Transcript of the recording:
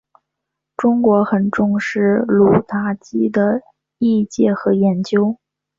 中国大陆很重视鲁达基的译介和研究。